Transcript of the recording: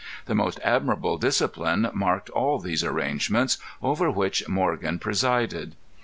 The most admirable discipline marked all these arrangements, over which Morgan presided.